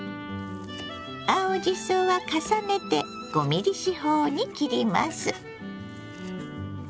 青じそは重ねて５ｍｍ四方に切ります。